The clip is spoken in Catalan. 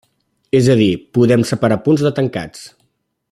És a dir, podem separar punts de tancats.